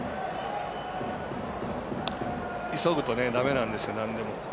急ぐとだめなんですよ、なんでも。